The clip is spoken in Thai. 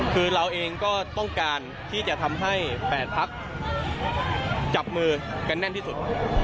คือเราเองก็ต้องการที่จะทำให้๘พักจับมือกันแน่นที่สุด